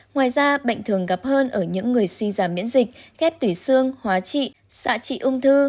ngoài ra bệnh thường gặp hơn ở những người suy giảm miễn dịch kép tủy xương hóa trị xạ trị ung thư